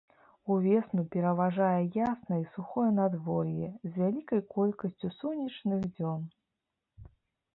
Увесну пераважае яснае і сухое надвор'е, з вялікай колькасцю сонечных дзён.